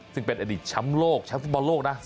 ซึ่งเป็นอดีตชั้มโลกชั้มฟุตบอลโลกนะ